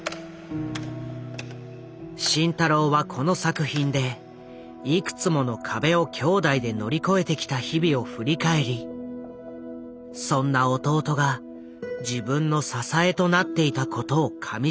慎太郎はこの作品でいくつもの壁を兄弟で乗り越えてきた日々を振り返りそんな弟が自分の支えとなっていたことをかみしめている。